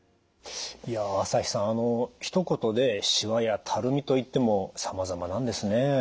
朝日さんひと言でしわやたるみといってもさまざまなんですね。